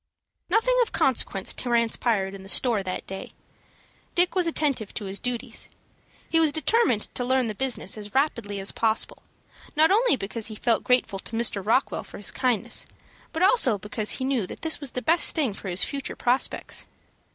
Nothing of consequence transpired in the store that day. Dick was attentive to his duties. He was determined to learn the business as rapidly as possible, not only because he felt grateful to Mr. Rockwell for his kindness, but also because he knew that this was the best thing for his future prospects.